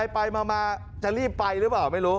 ไปมาจะรีบไปหรือเปล่าไม่รู้